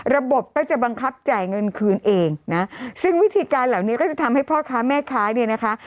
ระบบก็จะบังคับจ่ายเงินคืนเองนะซึ่งวิธีการเหล่านี้ก็จะทำให้พ่อค้าแม่ค้าเนี่ยนะคะ